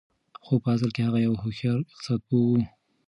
خو په اصل کې هغه يو هوښيار اقتصاد پوه و.